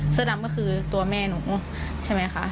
เสื้อดำก็คือตัวแม่หนูใช่ไหมคะ